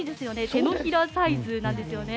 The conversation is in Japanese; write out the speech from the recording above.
手のひらサイズなんですよね。